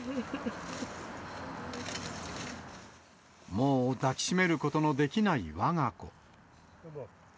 もう抱きしめることのできないわが子。